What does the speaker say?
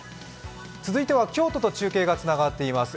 続いては京都と中継がつながっています。